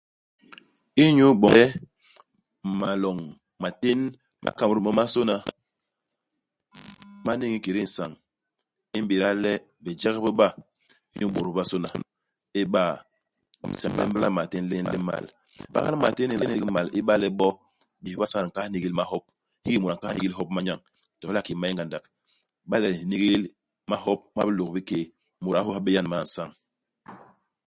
Inyu iboñ le maloñ, matén ma Kamerun momasôna ma niñ ikédé nsañ, i m'béda le bijek bi bak inyu bôt bobasôna. Iba, i m'béda le jam li mbagla matén li m'mal. Mbagla matén i nla ndigi mal iba le bo bésbobasôna di nkahal nigil mahop. Hiki mu a nkahal nigil hop u manyañ, to hala kiki ma yé ngandak. Iba le u n'nigil mahop ma bilôk-bi-kéé, mut a nhoo habé yan man-isañ.